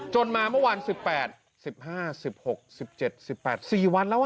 จนมาเมื่อวันสิบแปดสิบห้าสิบหกสิบเจ็ดสิบแปดสี่วันแล้วอ่ะ